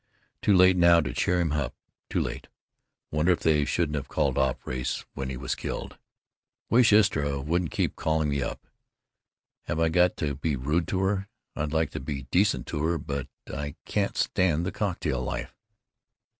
Too late now to cheer him up. Too late. Wonder if they shouldn't have called off race when he was killed. Wish Istra wouldn't keep calling me up. Have I got to be rude to her? I'd like to be decent to her, but I can't stand the cocktail life.